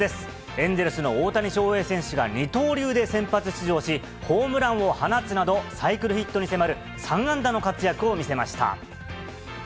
エンゼルスの大谷翔平選手が、二刀流で先発出場し、ホームランを放つなど、サイクルヒットに迫る３安打の活躍を見せました。